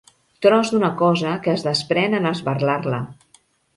Tros d'una cosa que es desprèn en esberlar-la.